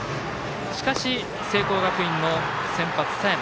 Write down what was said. しかし、聖光学院の先発の佐山。